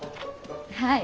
はい。